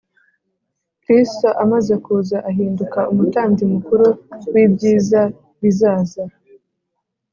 Kristo, amaze kuza, ahinduka Umutambyi Mukuru w'ibyiza bizaza,